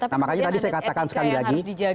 nah makanya tadi saya katakan sekali lagi